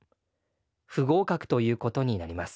不合格ということになります。